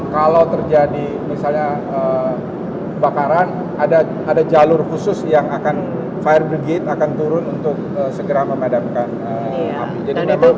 kalau terjadi misalnya kebakaran ada jalur khusus yang akan fire bergate akan turun untuk segera memadamkan api